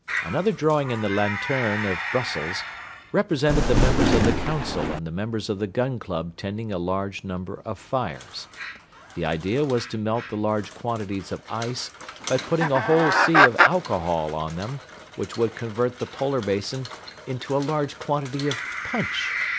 Another drawing in the Lanterne of Brussels represented the members of the Council and the members of the Gun Club tending a large number of fires. The idea was to melt the large quantities of ice by putting a whole sea of alcohol on them, which would convert the polar basin into a large quantity of punch.